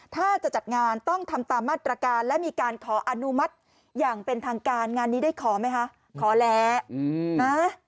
ถ้าจะจัดงานต้องทำตามมาตรการและมีการขออนุมัติอย่างเป็นทางการงานนี้ได้ขอไหมคะขอแล้วนะ